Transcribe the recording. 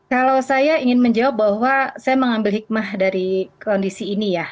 kalau saya ingin menjawab bahwa saya mengambil hikmah dari kondisi ini ya